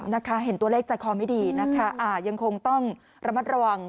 นะคะเห็นตัวเลขใจคอไม่ดีนะคะอ่ายังคงต้องระมัดระวัง